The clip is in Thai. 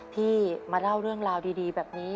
ที่มาเล่าเรื่องราวดีแบบนี้